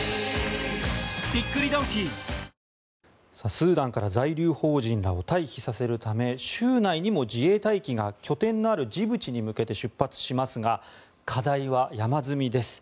スーダンから在留邦人らを退避させるため週内にも自衛隊機が拠点のあるジブチに向けて出発しますが課題は山積みです。